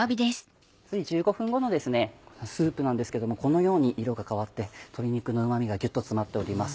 １５分後のスープなんですけどもこのように色が変わって鶏肉のうま味がギュっと詰まっております。